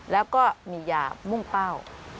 แล้วก็มียามุ่งเป้า